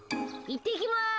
・いってきます！